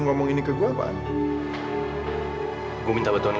ratu tuh ngajak gua buat nemuin seseorang